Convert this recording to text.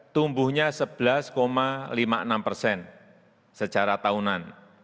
tumbuhnya sebelas lima puluh enam persen secara tahunan